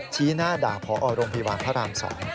ชี้หน้าด่าพอโรงพยาบาลพระราม๒